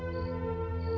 saya akan mencari suami saya